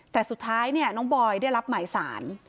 แต่สุดท้ายเนี่ยน้องบอยได้รับหมายสาร